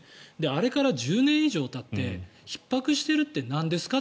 あれから１０年以上たってひっ迫してるってなんですか？